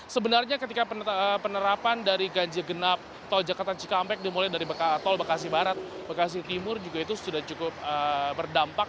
sebenarnya ketika penerapan dari ganjil genap tol jakarta cikampek dimulai dari tol bekasi barat bekasi timur juga itu sudah cukup berdampak